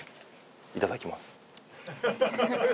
いただきます。